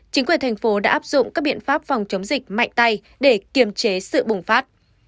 chính quyền thành phố đã áp dụng các biện pháp phòng chống dịch mạnh tay để kiềm chế sự bùng phát